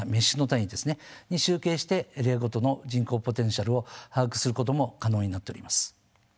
で集計してエリアごとの人口ポテンシャルを把握することも可能になっております。